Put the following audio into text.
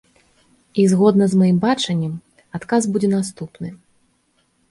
І, згодна з маім бачаннем, адказ будзе наступны.